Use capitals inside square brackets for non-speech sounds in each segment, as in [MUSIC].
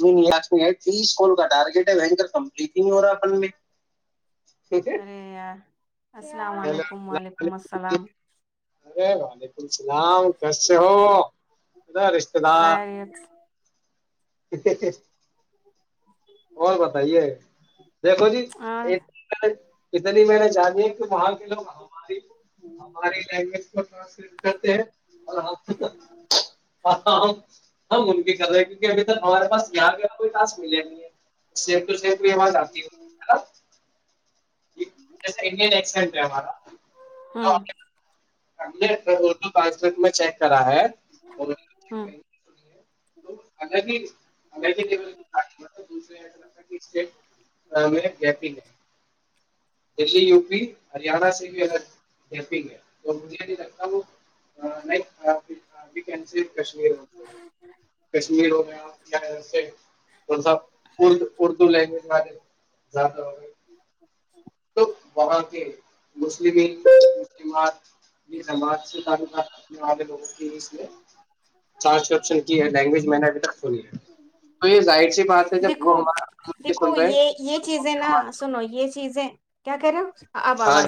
لکش لک ہے تیس کوول کا ٹارگیٹ ہے بنکر کمپ بگ ہو رہا اپن میں ٹھیک ہے ارے یار السلام علیکم وعلیکم السلام [INAUDIBLE] اسلام کیسے ہو ا رشتے دار خیریت [INAUDIBLE] اور بتائیے دیکھو جی اور اتنی میں نے جان وہاں کے لوگ ہماری ہماری لینگویج کو ٹرانسلیٹ کرتے ہیں اور ہم ہم ان کی کر رہے کیونکہ ابھی تک ہمارے پاس یہاں کا کوئی پاس ملے نہیں ہے سیف تو سیف میں آتی ہا [INAUDIBLE] ج ہوں ہمے پانچ منٹ میں چیک کرا ہے ہوں تو اگر نہیں رے لی اسٹی گپگ ہے دلی یو پی ہریانہ سے بھی تو مجھے نہیں لگتا وہ کشمیر میں سا ف اردو لینگویج والے زیادہ ہو گئے تو وہاں کے مسلم مسلمات یہمع سے طاتنے والے لوگوں کی اس ٹرانسکرپشن کی ہے لینگویج میں نے ابھی تک سنی ہے تو یہ ظاہر سی بات ہے جب دیکھو وہ ہمار دیکھو سن رہے ہے یہ یہ چیزیں نا سنو یہ چیزیں کیا کہہ رہےا ہاں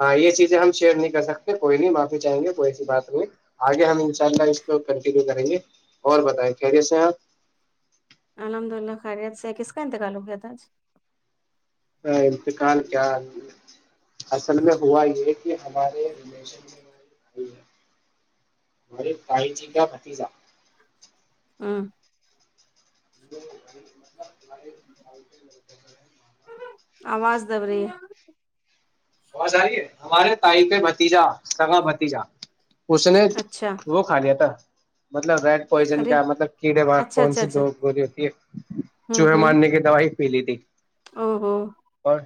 ہاں یہ چیزیں ہم شیئر نہیں کر سکتے کوئی نہیں معافی چاہیں گے کوئی ایسی بات نہیں آگے ہم ان شاء اللہ اس کو کنٹینیو کریں گے اور بتائیں خریسے آپ الحمد للہ خیریت سے کس کا انتقال ہو گیا تھا آج انتقال کیا اصل میں ہوا یہ کہ ہمارے ریلیشن میں ہمے بھائی جی کا بھتیجہ ہاں [INAUDIBLE] آواز دب رہی بہ ساری ہے ہمارے تائق بھتیجا سگا بھتیجا اس نے اچھا وہ کھا لیا تھا مطلب ریڈ پوائزن ارے کیا مطلب کیڑے بگ اچھا کون اچھا سی اچھا دو گولی ہوتی ہے ہوں چوہے ہوں مارنے کی دوائی پی لی تھی او ہو اور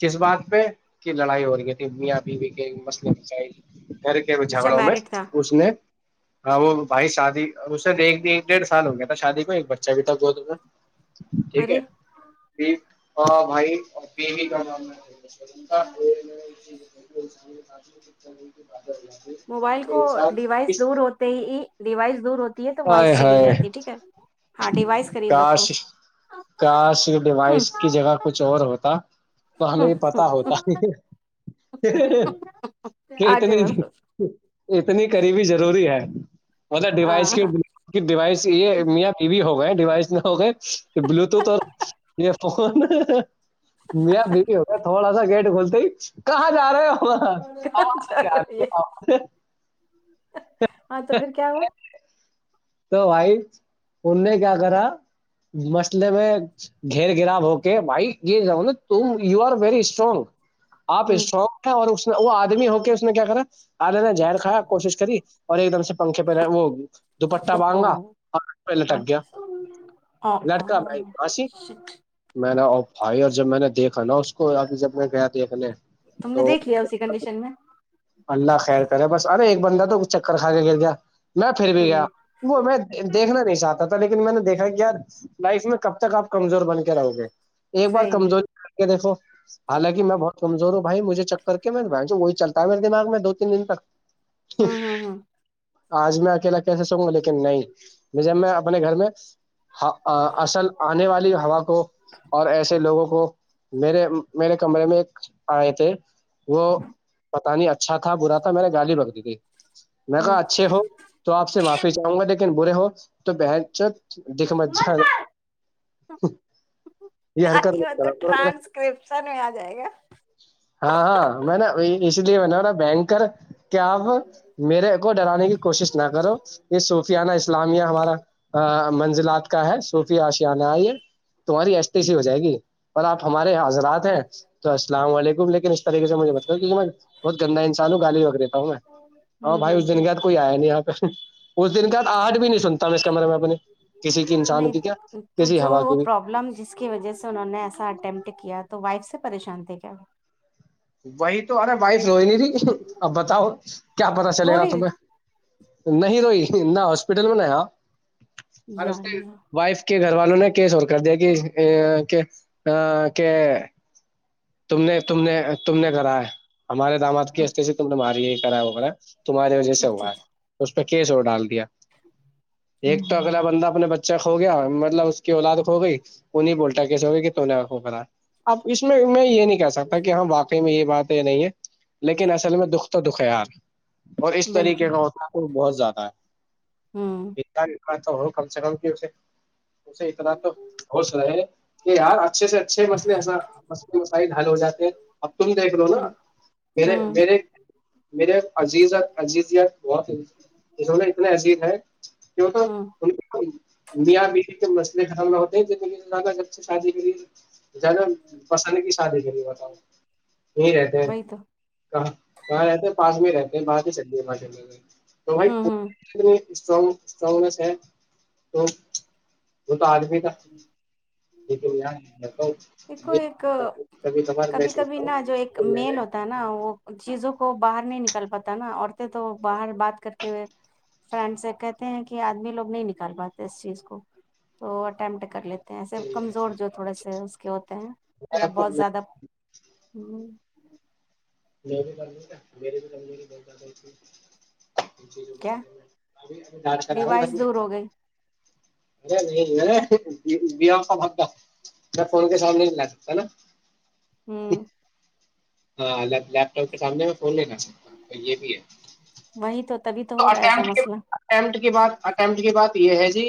کس بات پہ کی لڑائی ہو رہی تھی میا پ کے مسئلے کیائی گھر کے اچھا جھگڑوں میں میرڈ تھا اس نے ہاں وہ بھائی شادی اسے د ایک ایک ڈیڑھ سال ہو گیا تھا شادی کو ایک بچہ بھی تھا ب جا ٹھیک ہے ارے پ ہاں بھائی پ بھی کر کیا ہو [UNINTELLIGIBLE] موبائل کو انسان ڈیوائس کس دور ہوتے ہی ڈیوائس دور ہو ہائے ہائے ہاں ڈیوائس قریب کاش رکھو کاش ہوں ڈیوائس کی جگہ کچھ اور ہوتا تو ہمیں ہوں یہ ہوں پتا ہوتا ہی کہ آگے اتنی بڑھو اتنی قریبی ضروری ہے وہد ڈیوائس ہاں کی ڈیوائس یہ میا ٹی وی ہوگی ہو گئے ڈیوائس میں ہو گئے یہ بلوٹوتھ اور یہ فون م بھی ہو گیا تھوڑا سا گیٹ کھولتے ہی کہاں جا رہے ہو ہاں تو پھر کیا ہوا تو بھائی ان نے کیا کرا مسئلے میں گھیر گرا ہو کے بھائی یہ کہ تم یو آر ویری اسٹرانگ آپ اسٹرگ ہیں اور اس وہ آدمی ہو کے اس نے کیا کرا جی [INAUDIBLE] آال نے ر کایا کوشش کر اور ایک دم سے پنکھے پہ رہ وہ ہوگی دوپٹہ بانگا ہ پ لٹک گیا لٹکا میںاسی میں نے ا بھائی اور جب میں نے دیکھا نا اس کو ابھی جب میں گیا دیکھنے تم نے تو دیکھ لیا اسی کنڈیشن میں اللہ خیر کرے بس ارے ایک بندہ چکر کھا کے گر گیا میں پھر بھی اور گیا یہ وہ میں دیکھنا نہیں چاہتا تھا لیکن میں نے دیکھا کہ یار لائف میں کب تک آپ کمزور بن کے رہو گے ایک بار صحیح میں کمزوری کر کے دیکھو حالانکہ میں بہت کمزور ہو بھائی مجے چ کر کے میںائی وہی چلتا تویر دماغ میں دو تین دن تک ہ ہوں ہوں ہوں [UNINTELLIGIBLE] آج میں اکیلا کیسے سووں گا لیکن نہیں جب میں اپنے گھر میں اصل آنے والی ہوا کو اور ایسے لوگوں کو میرے میرے کمرے میں آئے تھے وہ [UNINTELLIGIBLE] پتا نہیں اچھا تھا برا تھا میں نے گالی رکھ دی تھی میں کہا ہوں اچھے ہ تو آپ سے معافی چاہوں گا دیکھ برے ہو تو پ چ دکھ م ج یہ ہرکت تو ٹرانسکرپشن میں آ جائے گا ہاں ہاں میں نا وہ اس لیے میںا بینکر کہ آپ میرے کو ڈرانے کی کوشش نہ کرو یہ صوفیانہ اسلامیہ ہمارا منزلات کا ہے صوفیہ آشیانہ یہ تمہاری اٹی سی ہو جائے گی اور آپ ہمارے حضرات ہیں تو اسلام علیکم لیکن اس طریقے سے مجھے م بہت گندا انسان ہو گالی رکھ دیتا ہوں میں ہ ہوں بھائی ہوں اس دن کے ہوں بعد کوئی آیا نہیں یہاں پہ اس دن کے بعد آٹ بھی نہیں سنتاوں میں اس کمرے میں اپنے کسی کی انسان کی کیا نہیں تو کسی جو ہوا وہ کی بھی پرابلم جس کی وجہ سے انہوں نے ایسا اٹیمپٹ کیا تو وائف سے پریشان کیا وہی تو آارا وائف روئی نہیں تھی اب بتاؤ کیا پتا چلے رو گا نہیں رہی تھی تمہیں نہیں روئی نہ اس اسپٹل میں نیا [UNINTELLIGIBLE] اور یا اس کے اللہ وائف کہ گھر والوں نے کیس کر دیا کہ ا کہ ت نے ت نے تم نے کرا ہے ہمارے داماد کی ہ سے ت نے ماری کراا تمہاری وجہ سے اچھا ہوا ہے اچھا [UNINTELLIGIBLE] ایک تو اگلا بندہ اپنے بچہ کھو گیا مطلب اس کی اولاد کھو گئی وہ نہیں بولتا کیسے ہوگے کہ تو نےا اب اس میں میں یہ نہیں کہہ سکتا کہ ہاں واقعی میں یہ بات یہ نہیں ہے لیکن اصل میں دکھ تو دخیار اور اس بالکل طریقے کا ہوتا ہے بہت جاتا ہوں ہے ایکتال تو ہو کم سے کم کیے اسے اتنا تو ہوچ رہے ہے کہ یار اچھے سے اچھے مسئلے ایسا م مسائل حل ہو جاتے ہیں اب تم دیکھ لو نا ہوں مے میرے میرے عزیز عیز بہت ہے اسے اتنا عصیید ہے کیوں تو ہوں میاں بی کے مسئلے خرم نہ ہوتے ہیں زیادہ جب سے شادی کے لی زیادہ پسند کی شادی کے لیے بتاؤ یہیں رہتے ہیں وہی تو کہاں کہاں رہتے ہیں پاس میں رہتے بگی سے م میں تو بائی ہوں ہوں اسٹرانگ اسٹرانگنیس ہے تو ب آدمی کا ل کو ایک کبھی کبھی ہوں نا جو ایک کہ میں میل ہوتا ہے نا وہ چیزوں کو باہر نہیں نکال پاتا نا عورتیں تو باہر بات کر کے فرینڈ سے کہتے ہیں کہ آدمی لوگ نہیں نکال پاتے اس چیز کو تو امٹ کر لیتے ہیں ایسے کمزور جو تھوڑے سے اس کے ہوتے ہیں یا بہت نے زیادہ ہ میں بھی کمور میری بھی کمزوری بہت زیادہ تھی کیا ڈیوائس دور [UNINTELLIGIBLE] ہو گئی اے نہیں کا میں فون کے سامنے نہیں لا سکتا ہے نا ہمم ہاں لیپ ٹاپ کے سامنے کال نہیں کر سکتا یہ بھی ہے وہی تو تبھی تو ہو [UNINTELLIGIBLE] رہا ہے ایسا مسئلہ اٹمپٹ کی بات یہ ہے جی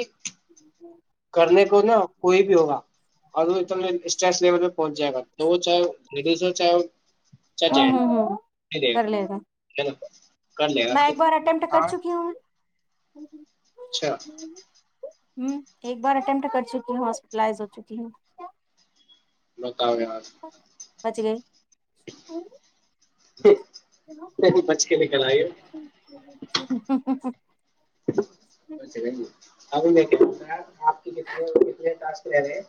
کرنے کو نا کوئی بھی ہوگا اور وہ ا اسٹس لیول پہ پہنچ جائے گا تو وہ چاہےیز ہو چاہے چاہے جینٹس کر لے گا ہے نا کر لے گا میں ایک بار کر ہاں چکی ہوں ہ [UNINTELLIGIBLE] اچھا ہ ایک بار اٹیمپٹ کر چکی ہ ہاسپٹلائز ہو چکی ہے لوکے آار [UNINTELLIGIBLE] بچ گئی بچ کے نکل آئیے [UNINTELLIGIBLE] اب کیا آپ رہ رہےے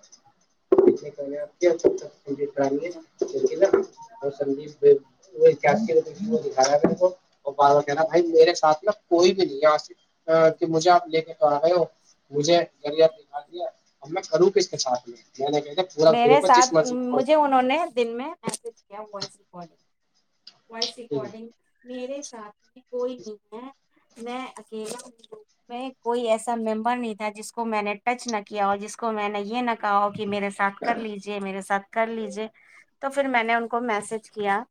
وہوکھا رہا ہے کہ نا بھائی میرے ساتھ نا کوئی بھی نہیں کہ مجھے آپ لے کے تو آ گئے ہو مجھے گریا دکھا دیا اب میں کروں ک اس کے ساتھ ل میرے ساتھ مجھے انہوں نے دن میں ای کیا وائس ریکارڈنگ وائس ریکارڈنگ میرے سات ج کوئی نہیں ہے میں اکیلا میں کوئی ایسا ممبر نہیں تھا جس کو میں نے ٹچ نہ کیا اور جس کو میں نے یہ نہ کہ کہ میرے سات کر لیجے میرے ساتھ کر لیجیے تو پھر میں نے ان کو میسج کیا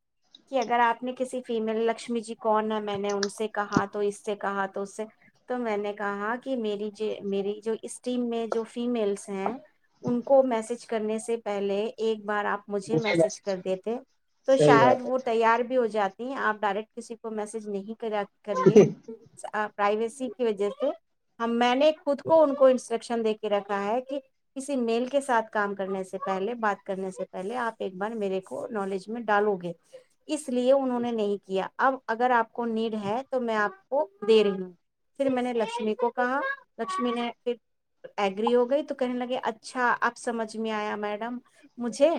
کہ اگر آپ نے کسی فیمل لکشمی جی کون ہے میں نے ان سے کہا تو اس سے کہا تو اس سے تو میں نے کہا کہ میری میری جو اس ٹیم میں جو فیملس ہیں ان کو میسج کرنے سے پہلے ایک بار آپ مجھے میسج کر دیتے تو صحیح شاید بات وہ تیار بھی ہو جاتا آ ڈائریکٹ کسی کو میسج نہیں کر کرے آپ پرائیویسی کی وجہ سے ہم میں نے خود کون کوئی کن دے کے رکھا ہے کہ کسی میل کے ساتھ کام کرنے سے پہلے بات کرنے سے پہلے آپ ایک بار میرے کو نالج میں ڈالو گے اس لیے انہوں نے نہیں کیا اب اگر آپ کو نیڈ ہے تو میں آپ کو دے رہی ہوں پھر میں نے لکشمی کو کہا لکشمی نے پھر ایگری ہو گئی تو کہنے لگے اچھا آپ سمجھ میں آیا میڈم مجھے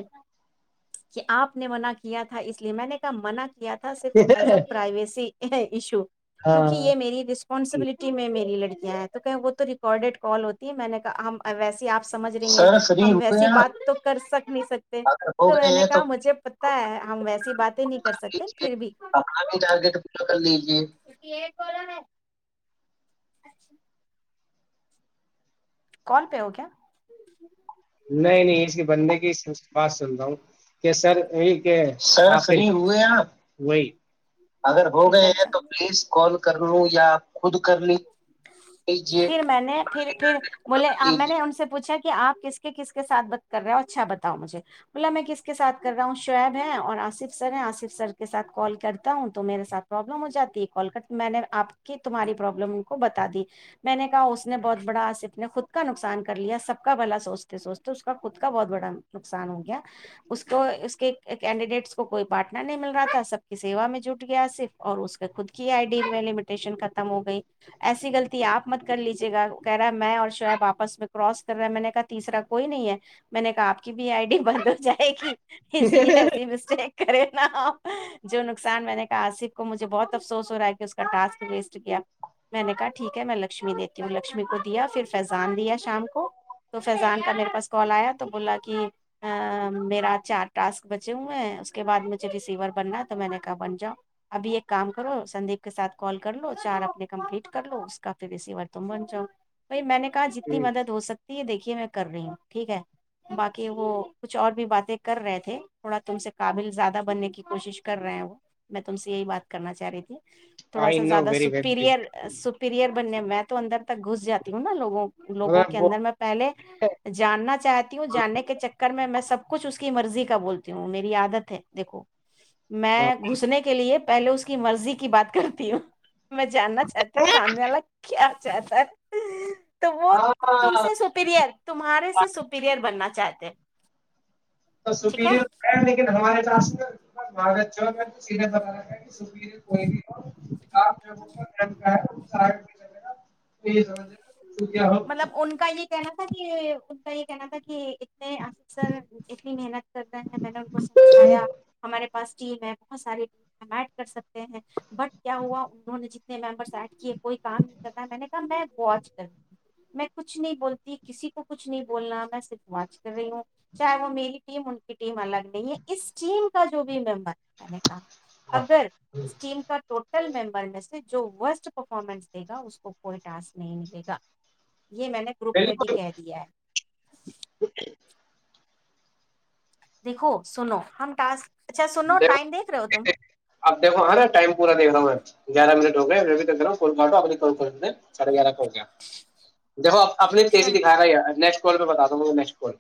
کہ آپ نے منع کیا تھا اس لیے میں نے کہا منع کیا یا تھا صرف ہے ایز ا پرائیویسی یہ ایشو [UNINTELLIGIBLE] کیونک یہ میری رس پانسبلٹی میں میری لڑکیاں ہیں تو کہیں وہ تو ریکارڈیڈ کال ہوتی ہے میں نے کہا ویسی آ سمجھ رہی ہیں سر فری ہم ہوئے ویسی ہیں بات تو کر سک نہیں سکتے اگر ہو تو میں گئے نے ہیں کہا مجھے پتا ہے ہم ویسی باتیں نہیں کر سکتے پھر بھی اپنا بھی ٹارگیٹ پورا کر لیجیے اچھا [INAUDIBLE] کال پہ ہو کیا نہیں نہیں اس کے بننے کی بات سن رہ ہوں کہ سر یہحی وہی اگر ہو گئے اچھا ہیں تو اچھا پلیز کال کر لوں یا خود کر لی لیجیے پھر کر میں نے پھر پھر بولے میں نے لیجیے ان سے پوچھا کہ کہ آپ کس کے کس کے ساتھ بات کر رہے ہو اور اچھا بتاؤ مجھے بولا میں کس کے ساتھ کر رہا ہوں شعیب ہے اور آصف سر ہیں آصف سر کے ساتھ کال کرتا ہوں تو میرے ساتھ پروابلم ہو جاتی ہے کال کر میں نے آپ کی تمہاری لم کو بتا دی میں نے کہا اس نے بہت بڑا آصف نے خود کا نقصان کر لیا سب کا بلا سوچتے سوچتے اس کا خود کا بہت بڑا نقصان ہو گیا اس کو اس کے کیڈیڈیٹس کو کوئی پارٹنر نہیں مل رہا تھا سب کی سیا میں جٹ گیا آصف اور اس کے خود کی آئی ڈیٹیشن ختم ہو گئی ایسی غلطی آپ مت کر لیجیے گا کہہ رہا ہے میں اور شعب آپس میں کراس کر رہا میں نے کہا تیسرا کوئی نہیں ہے میں نے کہا آپ کی بھی آئی ڈی بند ہو جائے گی اس لیے ایسی مسٹیک کرے نا جو نقصان میں نے کہا آصف کو مجھے بہت افسوس ہو رہا ہے کہ اس کا ٹاسک بیس گیا میں نے کہا ٹھیک ہے میں لکشمی دیتی ہوں لکشمی کو دیا پھر فضان دیا شام کو تو فیضان کا میرے پاس کال آیا تو بولا ج کہ میرا چار ٹاسک بچے ہوئے ہیں اس کے بعد مجھے ریسیور بننا ہے تو میں نے کہا بن جاؤ ابھی ایک کام کرو سندیپ کے ساتھ کال کر لو چار اپنے کمپلیٹ کر لو اس کا پھر رسیی وور تم بن جاؤ بائی میں نے جتنی مدد ہو سکتی ہے دیکھیے میں کر رہی ہوں ٹھیک ہے باقی وہ کچھ اور بھی باتیں کر رہے تھے تھوڑا تم سے قابل زیادہ بننے کی کوشش کر رہے ہیں وہ میں تم سے یہی بات کرنا چاہ رہی تھی تھوڑا آئی نو زیادہ ویری ویری سپیریئر سپیریئر بننے میں تو اندر ک گھس جاتی ہوں نا لوگوں لوگوں کے وہ اندر میں پہلے جاننا چاہتی ہوں جاننے کے چر کر میں میں سب کچھ اس کی مرضی کا بولتی ہوں میری عادت ہے دیکھو میں گھسنے کے لیے پہلے اس کی مرضی کی بات کرتی ہوں میں جاننا چاہتی ہوں ساننے کیا ج ت [UNINTELLIGIBLE] تو وہ ہاں تم سے سپیرئر تمہارے سے سپییرئر بننا جاہتے تو سپریر لیکن ہمارے چس مہاراا میںے ب رہا س [UNINTELLIGIBLE] ے گا [UNINTELLIGIBLE] یہ س مطلب ان کا یہ کیانا تھا کہ ان کا یہ کیانا تھا کہ سر اتنی محنت کر رہے ہیں میں نے ان کو سمجھایا ہمارے پاس ٹیم ہے بہت سارے ٹیم ایڈ کر سکتے ہیں بٹ کیا ہوا انہوں نے جتنے ممبرس ایڈ کی کوئی کام نہیں کرتا ہے میں نے کہا میں واچ میں کچھ نہیں بولتی کسی کو کچھ نہیں بولنا میں صرف واچ کر رہی ہوں چاہے وہ میری ٹیم ان کی ٹیم الگ نہیں ہے اس ٹیم کا جو بھی ممبر میں نے کہا اگر اس ٹیم کا ٹوٹل ممبر میںسج جو سٹ پرفارمنس دے گا اس کوئی ٹسک نہیں نلے گا د یہ میں نے گروپ میں بھی بالکل کہہ دیا ہے دیکھو سنو ہم ٹاسک اچھا سنو دیکھو ٹائم دیکھ رہے ہو تم اب دیکھو ہ نا ٹائم پورا دیکھ رہا ہوں میں گیارہ منٹ رو تندر کولٹب کو کو سرے او دیکھوپ اپنی چلو تجی دکھا رہے ہے نیکٹ کر ب د تو م نیس کر